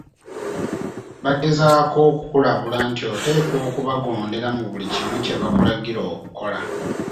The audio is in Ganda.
Bagezaako okukulabula nti oteekwa okubagondera mu buli kimu kye bakulagira okukola.